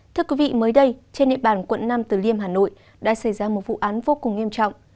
thưa quý vị mới đây trên địa bàn quận nam từ liêm hà nội đã xảy ra một vụ án vô cùng nghiêm trọng